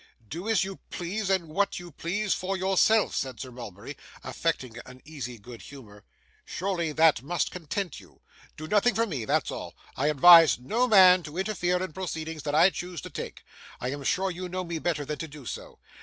'Do as you please, and what you please, for yourself,' said Sir Mulberry, affecting an easy good humour. 'Surely that must content you! Do nothing for me; that's all. I advise no man to interfere in proceedings that I choose to take. I am sure you know me better than to do so.